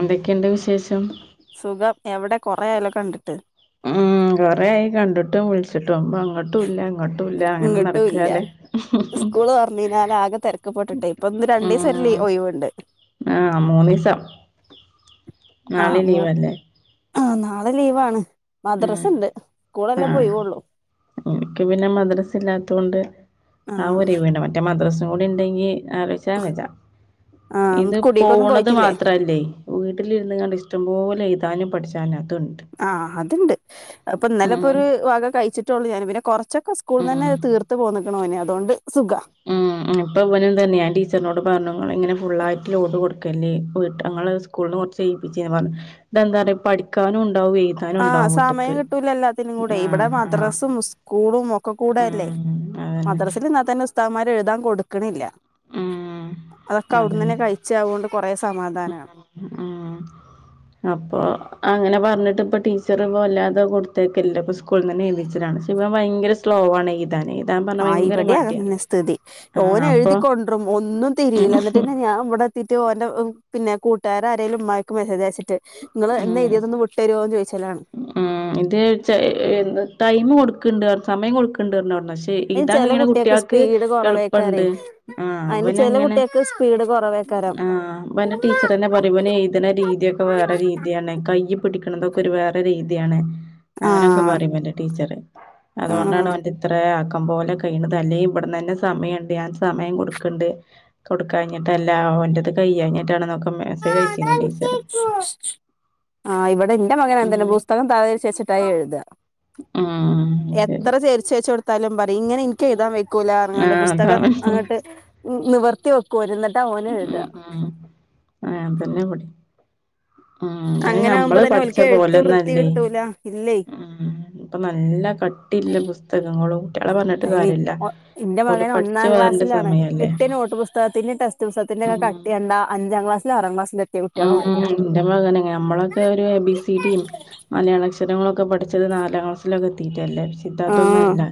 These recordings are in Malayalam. എന്തൊക്കെയുണ്ട് വിശേഷം സുഖം എവിടെ കൊറേ ആയാലോ കണ്ടിട്ട് ഉം കൊറെയി കണ്ടിട്ടും വിളിച്ചിട്ടും ഇപ്പോ എങ്ങോട്ടും ഇല്ല ഇങ്ങോട്ടും ഇല്ല അങ്ങനെ ഇങ്ങിട്ടും ഇല്ല നടക്കാല്ലേ സ്കൂള് തുറന്ന് കഴിഞ്ഞാൽ ആകെ തിരക്കിപെട്ടിട്ടെ ഇപ്പൊന്ന് രണ്ട് ദിവസം ഉം ഒഴിവുണ്ട് ആ മൂന്ന് ദിവസം ആ നാളെ മൂ ലീവ്ല്ലേ ആ നാളെ ലീവാണ് മദ്രസണ്ട് സ്കൂളല്ലേ ആ പോയിവള്ളു എനിക്ക് പിന്നെ മദ്രസ് ഇല്ലാതോണ്ട് ആ ഒരി വീണ് മറ്റേ മദ്രസും കൂടി ഉണ്ടെങ്കി ആലോചൻ വച്ചാം ആ ഇത് കുടീക്കൊന്നും പോവണത് പോയിട്ടില്ലേ മാത്രല്ലേ വീട്ടിലിരുന്ന് കണ്ട് ഇഷ്ടംപോലെ എഴുതാനും പഠിച്ചു ആ അത്ണ്ട് അപ്പൊ ഇന്നലെ ഇപ്പൊ ഉം ഒരു വക കഴിച്ചിട്ടേള്ളൂ ഞാൻ പിന്നെ കുറച്ചൊക്കെ സ്കൂളിൽ തന്നെ ഉം തീർത്ത് പോന്നക്കണോ ഒന് അതുകൊണ്ട് സുഖാ ഉം ഇപ്പൊ ഇവൻ തന്നെ ഞാ ടീച്ചറിനോട് പറഞ്ഞു ഇങ്ങനെ ഫുൾയിട്ട് ലോഡ് കൊടുത്ത കൊടുകല്ലേ വീട് സ്കൂള കുറച്ച് എഴുതിപ്പിച്ച പറ ഞ്ഞുഇന്താ പഠിക്കാനും ഉണ്ടാവും എഴുതാനും ആഹ ഉണ്ടാവും സമയം വീട്ട്ക്ക് കിട്ടൂലല്ലാത്തിനും കൂടെ ഇവിടെ ആഹ് ആഹ് മദ്രസും സ്കൂളും ഒക്കെ കൂടെയല്ലേ ഉം അതന്നെ മദ്രാസയിൽഇന്നാ തന്നെ ഉസ്താദ്മാര് എഴുതാൻ കൊടുക്കണില്ല അതൊക്കെ ആഹ അവിടുന്ന് അതന്നെ തന്നെ കഴിച്ച അതുകൊണ്ട് കൊറേ സമാധാനമാണ് ആ ആഹ അപ്പൊ അങ്ങനെ പറഞ്ഞിട്ട് ഇപ്പ ടി ടീച്ചർ ഇപ്പോൾ വല്ലാതെ കൊടുത്തേക്കില്ലല്ല ഇപ്പോൾ സ്കൂളിൽന്നെ എഴുതി കലാണ് ഇവൻ ഭയങ്കര സ്ലോവ ആണ് എഴുതാൻ പറഞ്ഞാ ആ ഭയങ്കര ഇവിടെ മടിയാ അങ്ങനെ സ്ഥിതി ആഹ് തോനെ അപ്പൊ എഴുതിക്കൊണ്ട് റുഒന്നും ഉം തിരിയില്ല എന്നിട്ട് എന്നെ ഞാൻ ഇവിടെ എത്തിട്ട് പിന്നെ കൂട്ടുകാര ങ്കിലുംഉമ്മക്ക്മെസ്സജ്അയച്ചിട്ട് നിങ്ങൾ ഇന്ന്‌ ഉം എഴുതിയത്‌ ഒന്ന്‌വിട്ടുരുവോന്ന് ചോദിച്ചാലാണ് ഉം ഇത് ടൈം കൊടുക്കണ്ട് സമയം കൊടുക്കണ്ട് വരണം അവി അയ്ന് ചെല കുട്ടികക്ക് സ്പീഡ് കുറവേക്കാറ എളുപ്പണ്ട് ആഹ് അതിന്റെ ചെില കുട്ടികക്ക് സ്പീഡ് കു കുറവ് അയ്കാരം ആ ഇവന്റെ ടീച്ചർ എന്നെ ഏതിന രീതിയൊക്കെ വേറെ രീതിയാണ് കയ് പിടിക്കുന്നതൊക്കെ ഒരു വേറെ രീതി ബുദ്ധിയാണ്അങ്ങനൊക്കെ ആഹ് പറയല്ലേ ടീച്ച അതുകൊണ്ടാണ് ആഹ് അവ ഇത്ര അക്കം പോലെ കഴത് അല്ലേ ഇട തന്നെ സമയുണ്ട് ഞാൻ സമയം കൊടുക്കണ്ട് കൊടുക്കാ എന്നിട്ടല്ല ഓന്റെത് കയ്യാഞ്ഞി ട്ടാണെന്നൊക്കെ മസ്സേജ് അയച്ചി ഞ്ഞി ടീച്ചറ് ആ ഇവിടെ എന്റെ മകൻ അങ്ങനെ ഉം തന്നെ പുസ്തകം താഴെതിരിച്ച് വെച്ചിട്ടായി എഴുതുക ഉം ശരി എത്ര ചെരിച്ചെച്ചൊടു ത്താലും പറയും ഇങ്ങനെ എനിക്ക് എഴുതാൻ വെക്കൂല ഇറങ്ങാണ്ട് ആഹ് പുസ്തകം അതാണ് അങ്ങോട്ട് നിവർത്തി വെക്കുവ എന്നിട്ട് ന്നെട്ടാ ഓൻ ഉം എഴുതാ ഉം ഉ അങ്ങനെ ആകുമ്പോ ഞമ്മള് തന്നെ പഠിച്ച ഓൽക്ക് എഴുത്ത് വൃത്തി പോലെന്നല്ലേ കിട്ടൂല ഇല്ലേ ഉ ഇപ്പോ നല്ല പടിപ്പ് ആ ട്ടില്ല പുസ്തകങ്ങളും കുട്ടികളെ പറഞ്ഞിട്ട് അയ് കാര്യമില്ല ഒ ഇന്റെ പോലും മകൻ പഠിച്ചു ഒന്നാം വളരണ്ട ക്ലാസ്സിലാണ് സമയല്ലേ കിട്ടിയ നോട്ട് പുസ്തകത്തിന്റെ ടെസ്റ്റ്പുസ്തത്തിന്റെ ഒക്കെ കട്ടി കണ്ട അഞ്ചാംക്ലാസിൽ ആറാം ക്ലാസിക്ലാസ് എന്റെ മകൻഞമ്മളൊക്കെ ഒരു എബിസിടിയും മലയാള അക്ഷര അക്ഷരങ്ങളൊക്കെ പഠിച്ചത് നാലാം ക്ലാസിൽ ഓക്കെ എത്തിയിട്ടല്ലേ കിട്ടാതത് ആഹ് അല്ല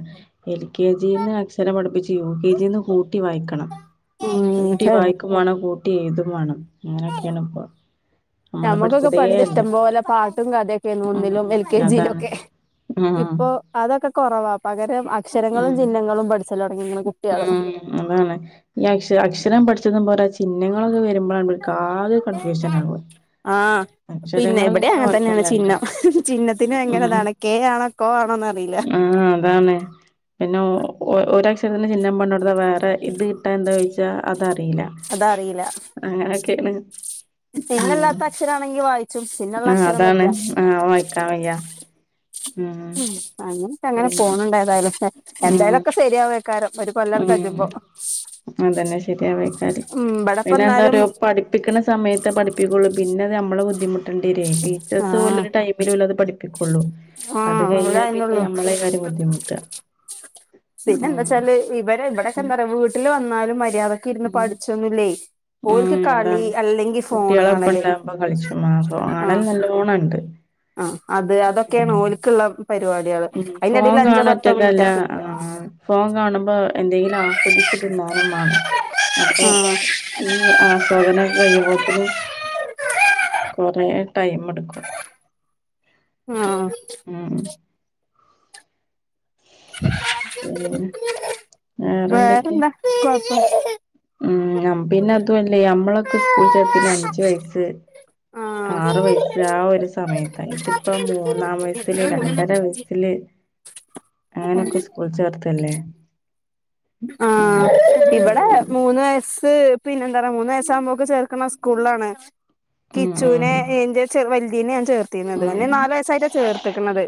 എൽ കെ ജിന്ന് അക്ഷരം പഠിപ്പിച്ച് യു കെ ജിന്ന് കൂട്ടി വായിക്കണം കൂട്ടി ഉം വായിക്കും വേണം കൂട്ടി എഴുതും വേണം അങ്ങനൊക്കെയാണ് ഇപ്പ നമ്മുക്കൊക്കെ പണ്ട് ഇഷ്ടംപോലെ പാട്ടും കഥയൊക്കെ ഉം ഒന്നിലും എൽ കെ ഉം ജിയിലും അതാണ് ഒക്കെ ഉം ഇപ്പൊ അതൊക്കെ കുറവാ പകരം അക്ഷരങ്ങളും ചിഹ്നങ്ങളും പഠിച്ചലോ ഉ അതാണ് ഈ അക്ഷ അക്ഷരം പഠിച്ചതും പോരാ ചിഹ്നങ്ങളൊക്കെ വരുമ്പോഴാണ് ഓൽക്ക് ആകെ കൺഫ്യൂഷൻ ആകുന്നത് ആഹ പിന്നെ ഇവിടെ അങ്ങനെ തന്നെയാണ് കൊഴപ്പല്ലാക്ക ചിഹ്നം ചിഹ്നത്തിന് ഭയകര താണ് കെ ആണോ കൊ ആണോ ആഹ അതാണ് പിന്നെ ഒരക്ഷരത്തിന് ചിഹ്നംപറഞ്ഞു കൊടുതാ വേറെ ഇത് ഇട്ടാൽഎന്താ ചോയ്ച്ചാ അതറില്ല അതറിയില്ല അങ്ങനെയൊക്കെയാണ് ഉം ചിഹ്നല്ലാത്ത അക്ഷരാണെങ്കി വായിച്ചും ചിഹ്നള്ള ആഹ അക്ഷരം വെജ്ജ അതാണ് ആഹ് വായിക്കാൻ വയ്യാ ഉ അങ്ങനക്ക അങ്ങനെ പോുണുണ്ടേതായാലും ഉം എന്തായാലുംക്കെ ശരിയാവ കാരം ഒരു കൊല്ലാം കജു മ്പോ ഉം അതന്നെ ശരിയാവയ്കാരം പിന്നെ എന്താ ഇബടെപ്പന്നാലും പറയ പഠിപ്പിക്കണ സമയത്ത് പഠിപ്പിക്കുള്ള പിന്നെ അത് ‌നമ്മൾ ബുദ്ധിമുട്ടട്ടി വരും ടിച്ചേഴ്സ് ഓല് ആഹ് ഒരു ടെമിൽ ഉള്ളത് പഠിപ്പിക്കും ഒള്ളു അത് ആഹ് അവിടെ കഴിഞ്ഞാൽ പിന്നെ അയന്നൊള്ളു നമ്മളെയ്കാരം ബുദ്ധിമുട്ട പിന്നെ എന്താ വച്ചാല് ഇവരെ ഇവിടെൊക്കെ ഉം എന്താ പറയാ വീട്ടില് വന്നാലും മര്യാദക്കെ ഇരുന്ന് ഉം പഠിച്ചൊന്നുല്ലേ ഓൽക്ക് ഉം കളി അതാണ് അല്ലെങ്കി ഫോൺ കുട്ടികളൊപ്പം കാണല് ഇണ്ടാവുമ്പോ കളിച്ചും ആ ഫോ കാണല് ആഹ നല്ലോണം ഇണ്ട് ആ അത് ഉം അതൊക്കെയാണ് ഓൽക്കുള്ള പരിപാടികള് ഉം ഫോൺ അതിന്ടയിൽ അഞ്ചോ പത്തോ മിനിറ്റ് കാണൊറ്റക്കല്ല ആകെ കിട്ട ആ ഫോൺ കാണുമ്പോ എന്തെങ്കിലും ആസ്വദിച്ചിട്ട് തിന്നാനും വേണം അപ്പൊ ആഹ് ഈ ആസ്വാദനംക്കെ കഴിയുമ്പോ തിന് കൊറേ ടൈം എടുക്കും ആഹ് ഉം പിന്നെ വേറെന്തൊക്കെ വേറെന്താ കൊഴപ്പോ ഉം പിന്നെ അതുമല്ലേ നമ്മളൊക്കെ സ്കൂൾ ചേർത്തിനെ അഞ്ചു വയസ്സ് ആഹ് ആറു വയസ് ആ ഒരു സമയത്ത ഇതിപ്പ മൂന്നാം വയസ്സില് രണ്ടര വയസ്സില് അങ്ങനെയൊക്കെ സ്കൂൾ ചേർത്തല്ലേ ആ ഉം ഉം ഇവിടെ മൂന്ന് വയസ് പിന്നെ എന്താ പറയാ മൂന്ന് വയസാവുമ്പോക്ക് ചേർക്കുന്ന സ്കൂളിലാണ് ഉം ഉം കിച്ചുനെ എന്റെ ചെ വലുതീനെ ഞാൻ ചേർ ത്തീനത് ഓനെ ഉം ഞാൻ നാല് വയസായിട്ടാ ചേർത്ത്ക്ക്ണത്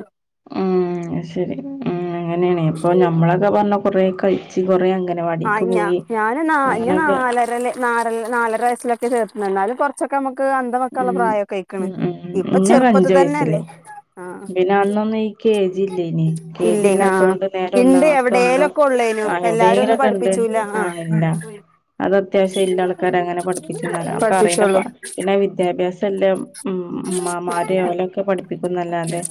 ഉം ശരി ഉം അങ്ങനെയാണെ പ്പൊ ഞമ്മളൊക്കെ പറഞ്ഞ കൊറേ കഴിച്ച് കൊറേ ആ ഇ അംഗനവാടിക്ക് പോയി ഞാൻ നാ ന്നെ അങ്ങനൊക്കെ നാലരല് ന നാലര വയസ്സിലൊക്കെ ചേർത്ത എന്നാലും കുറച്ചൊക്കെ ഉം ഉം ഉം ഉം ഇപ്പൊ ഇന്നൊക്കെ ചെറുപ്പത്തി അഞ്ചു വയസ്സില് തന്നെയല്ലേ ആഹ് പിന്നെ അന്നൊന്നും ഈ കെ ജി ഇല്ലേനി കെ ജി ഇല്ലേ ആഹ് ല്ലാത്തോണ്ട് നേരെ ഒന്നാം ഇണ്ട് ക്ലാസ്ക്കാവുമ്പോ എവിടേലൊക്കെ ഉള്ളേനു ആ എല്ലാരും എവിടേങ്ക ഒന്നും ക്കണ്ട് പഠിപ്പിച്ചൂല ആഹ് ഇല്ല അത് അത്യാവശ്യം ഇല്ല ആൾക്കാര് അങ്ങനെ പഠിപ്പിച്ചുംന്നർഞ്ഞ അക്കൊ പഠിപ്പിച്ചോളൂ അറിയണ്ടെപ്പാ പിന്നെ വിദ്യാഭ്യാസല്ല ഉം ഉമ്മാമാര് ഓലൊക്കെ പഠിപ്പിക്കുംന്നല്ലാതെ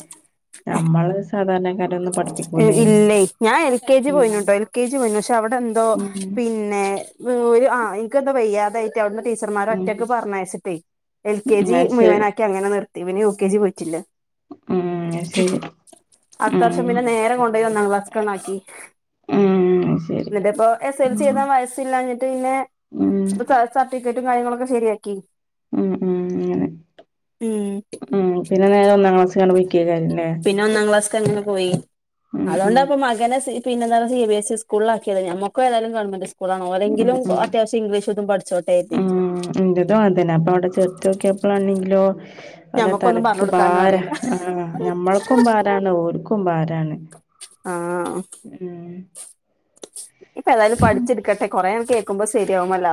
നമ്മള് സാധാരണ ക്കാരൊന്നും പഠിപ്പി ഇല്ലെയ് ഞാൻ എൽ കെ ജി പോയിനുട്ടോ എൽ കെ ജി പോയിനു പക്ഷേ അവിടെന്തോ ഉം പിന്നെ ഓര് ആഹ് ഇൻക്കെന്തോ വയ്യാതായി റ്റ് അവിടുന്നു ഉം ടീച്ചർമാരൊറ്റക്ക് പറഞ്ഞയച്ചിട്ടേ എൽ കെ ജി അത് ശരി മുഴുവനാക്കി അങ്ങനെ നിർ ത്തി പിന്നെ യൂ കെ ജി പോയ്റ്റില്ല ഉം അത്‌ശരി തർഷം പിന്നെ നേരെ കൊണ്ടോയി ഒന്നാം ക്ലാസ്ക്കാണ്ടാക്കി ഉം അത് ശരി ന്ന്ട്ട്പ്പോ എസ് എൽ സി ഉം എയ്താൻ വയസ്സില്ലാഞ്ഞിട്ട് പിന്നെ ഉം സർട്ടിക്കറ്റും കാര്യങ്ങളൊക്കെ ശെരിയാക്കി ഉം ഉം അങ്ങനെ ഉം ഉം പിന്നെ നേരെ ഒന്നാം ക്ലാസ്ക്കാണ്ട് പോയി ക്കേക്കാരം ലേ ക്കങ്ങനെ പോയി അതോണ്ടാപ്പൊ മകനെ പിന്നെന്താണ് സി ബി എസ് സി സ്കൂള്ലാക്കിയത് നമ്മക്ക് ഏതായാലും ഗവൺമന്റ് സ്കൂളാണ് ഉം ഓലെങ്കിലും ഉം അത്യാവശ്യം ഇംഗ്ലീഷും തും പഠിച്ചോട്ടേതീട്ട് ന്റെതും അതന്നെ പ്പവടെ ചെർത്യോക്കപ്പളാണെങ്കിലോ ഓല ഞമ്മക്കൊന്നും തലക്ക് പറഞ്ഞു കൊടുക്കാനും ഭാര അറിയില്ല ആ ഞമ്മൾക്കും ഭാരാണ് ഓൽക്കും ഭാരാണ് ആഹ് ഉം നിപ്പൊ ഏതായാലും പഠിച്ച്ടുക്കട്ടെ കൊറേക്കെ ക്കുമ്പോ സരിയാവും അല്ലാ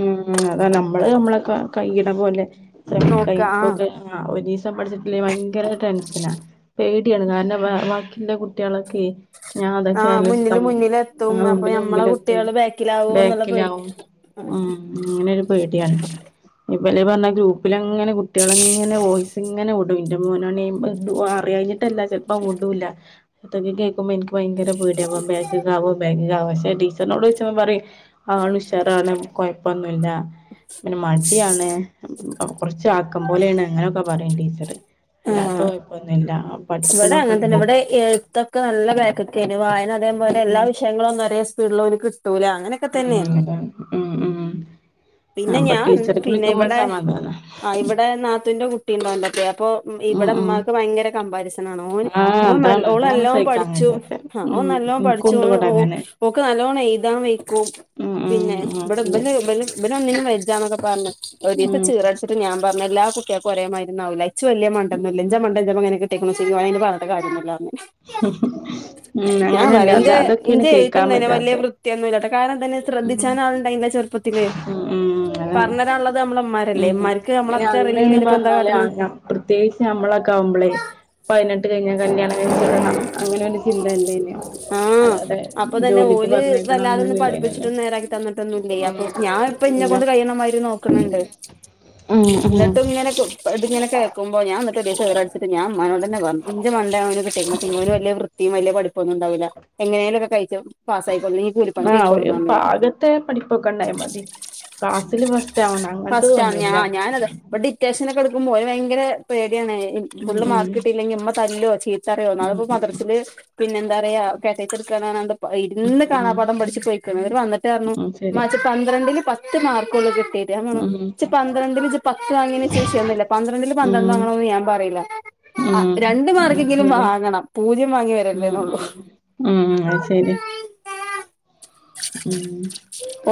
ഉം അതാ നമ്മള് നമ്മളെ കൈയ്യ്ത പോലെ ത്ര നോക്ക ആഹ് ടൈപ്പൊക്കെ ഒരീസം പഠിച്ചിട്ടില്ലെങ്കി ഭയങ്കര ടെൻഷനാ കുട്ടിയാണ് കാരണം വാക്കിന്റെ കുട്ടിയാളൊക്കെയ് ഞാൻ അതൊക്കെ ആഹ് ആലോചിച്ചിട്ട മുന്നില് മുന്നില് എത്തും ആ അപ്പൊ മുമ്പില് ഞമ്മളെ മുമ്പിലെത്തും കുട്ടികള് ബാക്കിലാവോ എന്നുള്ള പേടി ബാക്കിലാവും ഉം അങ്ങനെരു പേടിയാണ് ഇവല് പറഞ്ഞ ഗ്രൂപ്പില ങ്ങനെ കുട്ടികളെങ്ങനെ വോയിസ്ങ്ങനെ വിടും ൻ്റെ മോനാണെങ്കി അറിയാഞ്ഞ ട്ടല്ല ചെൽപ്പോ വുടൂല്ല പ്പത് കേക്കുമ്പോ ഇൻക്ക് ഭയങ്കര പേടിയാ ബൻ ബേക്ക്ക്കാകോ ബേക്ക്ക്കാകോ പക്ഷെ ടീച്ചറിനോടോയ്ച്ചപ്പ പറയും ആൾ ഉഷാറാണ് കുഴപ്പന്നു ല്ല പിന്നെ മടിയാണ് കുറച്ച് ആക്കംപോലേണ് അങ്ങനെയൊക്കെ പറയും ടീച്ചറ്. അല്ലാത്ത കൊഴ്പ്പൊന്നുല്ല. വടേം അങ്ങനെ തന്നെ ഇവിടെ എഴുത്തൊക്കെ നല്ല ബാക്ക്ക്കെയ്നു വായന അതേപോലെ എല്ലാ ഉം വിഷയങ്ങളുന്നും ഒരേ സ്പീഡിലോ ത്തൂല അങ്ങനൊക്കെ ഉം തന്നേനു അതാണ് ഉം ഉം പിന്നെ അപ്പൊ ഞാൻ ടീച്ചർക്ക് പിന്നെ വിളിക്കുമ്പോ ഒരു ഇവിടെ സമാധാനാ ആ ഇവിടെ നാത്തൂന്റെ കുട്ടി കുട്ടിണ്ട്‌ ഓന്റൊപ്പേ അപ്പോ ഉം ഉം ഇവിടെമ്മാക്ക് ഭയങ്കര കമ്പാരിസ ആഹ് [unintelligible] ഓൻ നൽ അതാണ് അതാണ് ഓളല്ലോം സഹിക്കാൻ പഠിച്ചും കഴിയാത്തെ ആഹ് ഓൻ ഉം നല്ലോം പഠിച്ചും എനിക്കുണ്ട് ഇവിടെ ഉം അങ്ങനെ ഓക്ക് നൽ ഓണെയ്താൻ വെയ്ക്കും ഉം പിന്നെ ഉം ആ ഇബടെ ഉണ്ട്. ഇബല് ഇബന് ഇബന് ഒന്നിനും വെജ്ജാന്നൊക്കെ പർഞു ഒരീസം ഉം ഇച്ചീറട്ച്ച്ട്ട് ഞാൻ പർണു എല്ലാ കുട്ട്യേക്കും ഒരേ മാരിയൊന്നും ആവൂല ച്ച് വല്ല്യെ മണ്ടെന്നുല്ല ഇഞ്ചെ മണ്ടെന്റെ മകന് കിട്ടീക്കുണൂച്ചെങ്കി ഓനെ അയ്ന് പർണ്ട്ട് കാര്യൊന്നുല്ലാർഞ്. ഉം ഞാൻ അങ്ങനെണ്ട് പറിം അത് ഇന്റെ അതൊക്കെയാണ് ഇന്റെ എഴുത്തും കേക്കാൻ തന്നെ വല്ല്യെ പറ്റാത്തെ വൃത്തിയൊന്നുല്ലട്ടോ താനും തന്നെ ഉം ശ്രദ്ധിച്ചാൻ ആള്ണ്ടായ്ന്നില ചെർപ്പത്തില്. ഉം ഉം അതാണ് പർഞ്ഞരാള്ളത് ഞമ്മളമ്മാരല്ലെ ഉം ഇമ്മാര്ക്ക് ഇനി ഞമ്മളത്രി അറീലെങ്കി പിന്നെപ്പെന്താ കാട്ട്ണ്. ഈശ് ഞമ്മളക്കാവ്മ്പളെയ് പയ്നെട്ട് കഴിഞ്ഞാ കല്യാണം കഴിച്ച് വിടണം അങ്ങനൊരു ചിന്തല്ലേയ്ന്യോ അത് അതെ ജോലി ല് വല്ലാതൊന്നും പഠിപ്പിച്ച്ട്ട് നേരാക്കി തന്നിട്ടൊന്നുല്ലെയ് ഉം അപ്പം ഞാൻ ഇപ്പന്നെ ഇല്ല കൊണ്ട് കയ്യ്ണ മാരി നോക്ക്ണ് ണ്ട്. ഉം ഉം ഇന്ന്ട്ടും ഇങ്ങനെ പു ഇത്ങ്ങനെ കേക്കുമ്പോ ഞാൻ ഇന്ന്ട്ട് ഒരീസം ഈറ ട്ച്ച്ട്ട് ഞാൻ ഇമ്മാനോടെന്നെ പർ മണ്ടേ ഓന് കിട്ടീക്ക്ണ് [unintelligible] ഓന് വല്യെ വൃത്തിം വല്യെ പഠിപ്പൊന്നുണ്ടാവൂല എങ്ങനേലൊക്ക കയ്ച്ചും പാസായ്ക്കോളും ഇല്ലങ്ങി ആഹ് കൂലിപ്പണിക്കെയ്ക്കോളും ഒരു ന്നറഞ്ഞു ഞാന്. പാകത്തെ പഠിപ്പൊക്കെ ഉണ്ടായ മതി ക്ലാസ്സില് ഫസ്റ്റ് ആവണം ഫസ്റ്റാണ് ഞാ അങ്ങനത്തതൊന്നുല്ല ഞാനു അതേ ഇപ്പ ഡിറ്റേഷനൊക്കെ ഇട് ക്കുമ്പൊ ഓന് വയങ്കര പേടിയാണ് ഇൻ ഉം ഫുള്ള് ഉം മാർക്ക് കിട്ടീറ്റ്ല്ലെങ്കി ഇമ്മ തല്ലോ ചീത്തറയോ ഉം നാള്പ്പോ ഉം മദ്രസ്ന്ന് പിന്നെ എന്താ റയാ കേട്ടെഴ്ത്ത് ഇട്ക്കാണ് അർണാണ്ട് ഇര്ന്ന് ഉം കാണാ ഉം വടം പിടിച്ച് പൊയ്ക്കാണ് ന്നട്ട് വന്ന്ട്ടർണു ഉം ശരി മ്മ ച്ച് പന്ത്രണ്ടില് പത്ത് മാർക്കൊള്ളു കിട്ട് ട്ടീറ്റ് ഉം [unintelligible] ജ്ജ് പന്ത്രണ്ടില് ജ്ജ് പത്ത് വാങ്ങിയേന് ച്ച് വിഷയന്നുല്ല പന്ത്രണ്ടില് പന്ത്രണ്ട് വാങ്ങണൊന്നു ഞാൻ പറയില ഉം ഉം അ ശരിയാ പൂജ്യം വാങ്ങി ഉം വരരുതെന്നൊള്ളു ഉം ഉം ഉം അ ശരിയ [unintelligible] ഉം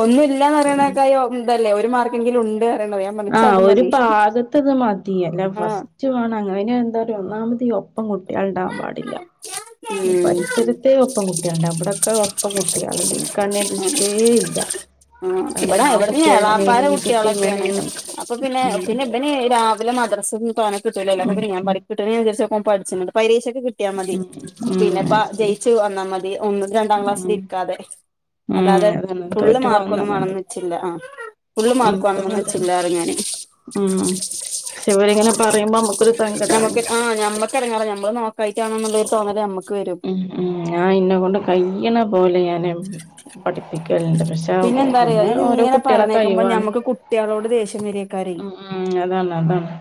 ഒന്നുല്ലന്നറയ്ണെയ്ക്കായു തല്ലേ ഒരു മാർക്കെങ്കിലു ണ്ട് ആ ഒരു പാകത്തത് മതി അല്ല ആഹ് ഫസ്റ്റ് വാണം അങ്ങനെ എന്തൊ [unintelligible] പ്പം കുട്ട്യേള്ണ്ടാം പാടില്ല ഈ ഉം പരിസരത്തെ ഒപ്പം കുട്ട്യേള് ണ്ടാവും ബടൊക്ക ഒപ്പം കുട്ട്യേള്ണ്ട് ഓൽക്കങ്ങൻന്നു ഷ്ടേ ഇല്ല ആ എ ഇവിടെ ആ ഇവിടുന്ന് കുട്ടി എളാപ്പാര അങ്ങനെണ് ഈ കുട്ടി കുട്ടികളൊക്കെയാണ് ഇങ്ങനെണ് അപ്പൊ പിന്നെ പിന്നെ ബനി രാവിലെ മദ്രസന്ന് തോന്നെ കിട്ടൂലല്ലോ അപ്പ ഉം പിന്നെ ഞാം പടിം ക്‌ട്ട്ണെയ്നന്സരിച്ചൊ എ പഠിച്ചണ്ട് പരീഷ ക്ക് കിട്ട്യാ മതി ഉം ഉം ഉം പിന്നെപ്പ അത് ശരി ജയിച്ചു വന്നാ മതി ഒന്നും രണ്ടാം ക്ലാസ്സിൽ ഉം ഇര്ക്കാതെ ഉം അല്ലാതെ അതാണ് ഫുള്ള് തോറ്റു പോവാന്നാ മാർക്കൊന്നും മതി വേണംന്ന് ച്ചില്ല ആ ഫുള്ള് മാർക്ക് എനിക്കും വാണന്നൊന്നു അങ്ങനെ തന്നെ ച്ചില്ലാ റയും ഞാന് ഉം പക്ഷെ ഇവരിങ്ങനെ പറയുമ്പോ നമ്മുക്കൊരു സങ്കടാണ് നമക്ക് ആ ഞമ്മക്കെറങ്ങേറ ഞമ്മള് ന്നോ ഒക്കായിട്ടാണ് ന്നുള്ളൊര് തോന്നല് ഞമ്മ ഉം ഉം ഞാ ന്നെ കൊണ്ട് കയ്യ്ണ പോലെ ഞാന് പഠിപ്പിക്കൽണ്ട് പക്ഷെ എന്താറിയോ പിന്നെ ഇത് ഓരോ ഇങ്ങനെ കുട്ട്യേളെ കയ് പറയണേക്കുമ്പോ വാണ് ഞമ്മക്ക് കുട്ടികളോട് ദേഷ്യം വരേക്കാരെ ഉം ഉം അതാണ് അതാണ്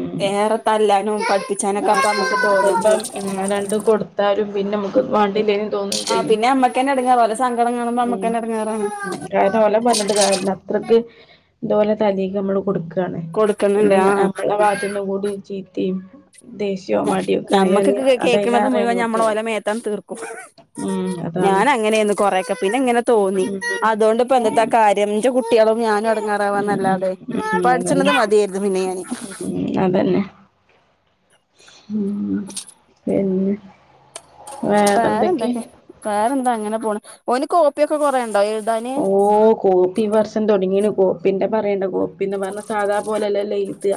ഉം ഏറെ തല്ലാനും പഠിപ്പിച്ചാനൊക്കെ ആ അപ്പ നമുക്ക് തോന്നും ചെൽപ്പം ഉം രണ്ട് കൊടുത്താലും പിന്നെ അമ്മക്കത് വാങ്ങില്ലെയ് [unintelligible] ആ ചെയ്യും പിന്നെ അമ്മക്കന്നെ എടങ്ങേറാ ഓലെ സങ്കടം കാണുമ്പോ ഉം അമ്മക്കന്നെ എടങ്ങേറാണ് ഉം കാര്ണ ഓല പർണ് ട്ട് [unintelligible] ന്നട്ട് ത് ഓലെ [unintelligible] ഞമ്മള് കൊടു താണ് കൊടുക്കുന്നുണ്ട് പിന്നെ ആ ഞ അമ്മളെ വാത്ത്ന്നും കൂടി ചീത്തിം ദേശ്യോം ഞ മടിയോക്കായല് ഞമ്മക്കൊക്കെ കേൾക്കണത് അതയ്ലേറേണ് മുഴുവൻ ഞമ്മള് കുട്ട്യേള് ഓലെ [unintelligible] ഞാൻ അങ്ങനെയ്ന്നു കൊറെക്കെ പിന്നെ ങ്ങനെ തോന്നി ഉം അതോണ്ട് പ്പോ എന്തത്ത ഉം കാര്യം കുട്ടികളും ഞാനും ഉം എടങ്ങേറാവാന്നല്ലാതെ ഉം ഉം പഠിച്ചണത് മതിയായിരുന്നു പിന്നെ ഞാന് അതെന്നെ ഉം അതെന്നെ ഉം പിന്നെ വേറെന്തൊക്കെ വേറെന്താ അങ്ങനെ പോണു ഓന് കോപ്പിയൊക്കെ കൊറേണ്ടോ എഴ് ഓ കോപ്പി ഈ വർഷം തൊടങ്ങീണു കോപ്പിന്റെ പറയണ്ട കോപ്പിന്ന് പർണ സാധാ പോലെല്ലല്ലൊ എയ്ത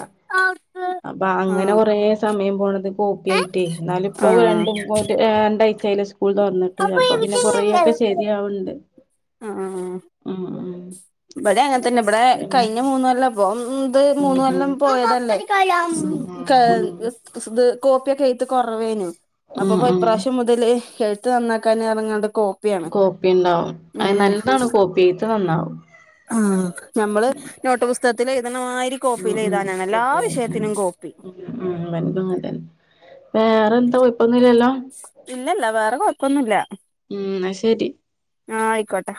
അപ്പൊ ആ അങ്ങനെ കൊറെേ സമയം പോണത് കോപ്പി ആയിട്ടേ എന്നാല ആ ഇപ്പൊ [unintelligible] ച്ചയില സ്കൂൾ തുറന്നിട്ട് അപ്പൊ പിന്നെ കുറൊക്കെ ശെരിയാവണ്ട് ആ ഇവിടെ അങ്ങനെ തന്നെ ബടെ ഉം കഴിഞ്ഞ മൂന്നല്ലപ്പം ഇത് ഉം മൂന്ന കൊല്ലം ഉം പോയതല്ലേ ഉം ഉം [inaudible] കോപ്പിയക്കെ കുറവേനു ഉം അപ്പപ്പോൊ ഉം ഇപ്രാവശ്യം മുതൽ എഴത്ത് നന്നാക്കാന ർഞ്ങ്ങണ്ട കോപ്പി ഉണ്ടാവും അത് നല്ലതാണ് കോപ്പി ചെയ്ത് നന്നാവും ആഹ നഞമ്മള് നോട്ടപുസ്തകത്തില് ഉ ഉക്ക വിഷയത്തിനും കോപ്പി ഉ ഉ വഭങ്ങതന്നെ വേറെ ഇല്ലല്ല വേറെ കൊഴപ്പൊന്നുമില്ല ഉം ശരി ആഹ ആയിക്കോട്ടെ